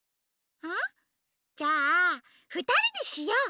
あっじゃあふたりでしよう！